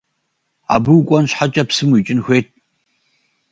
Абы укӏуэн щхьэкӏэ псым уикӏын хуейт.